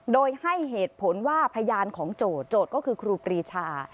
โดยให้เหตุผลว่าพยานของโจรก็คือครูปรีชา